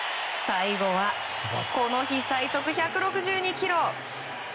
最後はこの日最速１６２キロ。